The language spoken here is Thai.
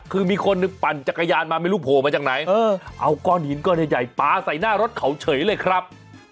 คือมีคนหนึ่งปั่นจักรยานมาไม่รู้โผล่มาจากไหนเอาก้อนหินก้อนใหญ่ปลาใส่หน้ารถเขาเฉยเลยครับ